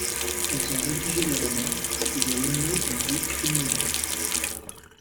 Elles ont rédigé des romans, puis ont mené une vie criminelle.